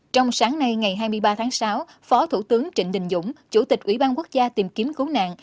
trong sáng nay ngày hai mươi ba tháng sáu phó thủ tướng trịnh đình dũng chủ tịch ủy ban quốc gia tìm kiếm cứu nạn